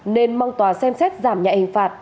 nên mong tòa xem xét giảm nhạy hình phạt